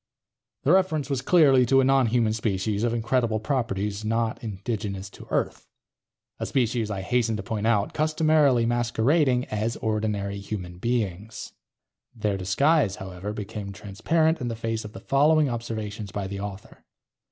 The reference was clearly to a nonhuman species of incredible properties, not indigenous to Earth. A species, I hasten to point out, customarily masquerading as ordinary human beings. Their disguise, however, became transparent in the face of the following observations by the author.